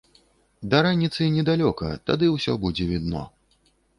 Да раніцы недалёка, тады ўсё будзе відно.